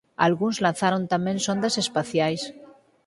Algúns lanzaron tamén sondas espaciais.